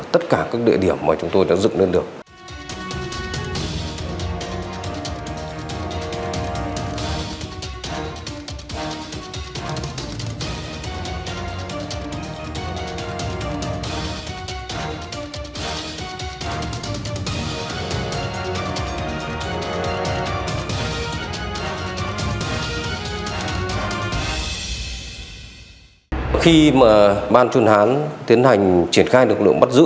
tất cả các địa điểm mà chúng tôi đã dựng lên được